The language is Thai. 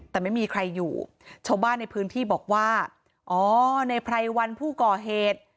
แต่ไม่มีใครอยู่ชาวบ้านในพื้นที่บอกว่าอ๋อในไพรวันผู้ก่อเหตุ